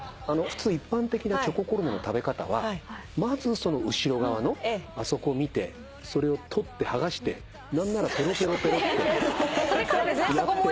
普通一般的なチョココロネの食べ方はまずその後ろ側のあそこを見てそれを取って剥がして何ならペロペロペロって。